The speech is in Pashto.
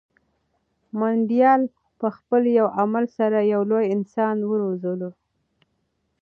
منډېلا په خپل یو عمل سره یو لوی انسان وروزلو.